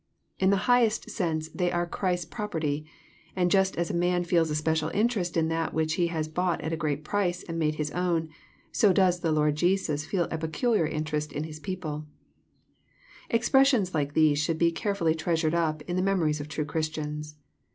In the highest sense they are Christ's prop erty ; and just as a man feels a special interest in that which he has bought at a great price and made his own, so does the Lord Jesus feel a peculiar interest in His people* Expressions like these should be carefully treasured up in the memories of true Christians.